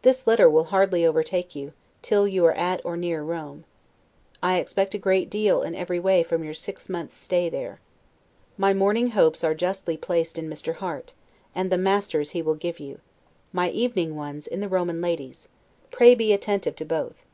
This letter will hardly overtake you, till you are at or near Rome. I expect a great deal in every way from your six months' stay there. My morning hopes are justly placed in Mr. Harte, and the masters he will give you; my evening ones, in the Roman ladies: pray be attentive to both.